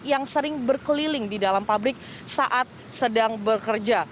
yang sering berkeliling di dalam pabrik saat sedang bekerja